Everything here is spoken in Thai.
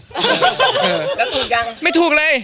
แล้วถูกยังไม่ถูกเลย